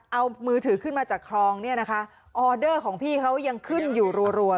เอามือถือขึ้นมาจากคลองออเดอร์ของพี่เขายังขึ้นอยู่รัวเลยค่ะ